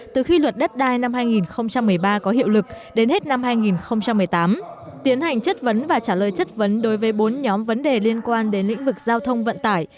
từ khi luật đất đai năm hai nghìn một mươi ba có hiệu lực đến hết năm hai nghìn một mươi tám tiến hành chất vấn và trả lời chất vấn đối với bốn nhóm vấn đề liên quan đến lĩnh vực giao thông vận tải